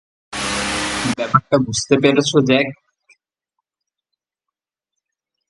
ব্যাপারটা বুঝতে পেরেছ, জ্যাক?